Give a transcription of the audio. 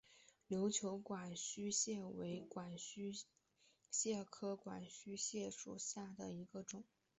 琉球管须蟹为管须蟹科管须蟹属下的一个种。